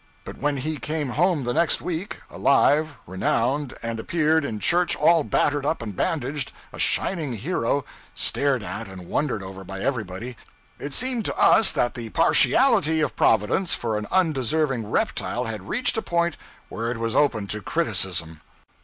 But when he came home the next week, alive, renowned, and appeared in church all battered up and bandaged, a shining hero, stared at and wondered over by everybody, it seemed to us that the partiality of Providence for an undeserving reptile had reached a point where it was open to criticism.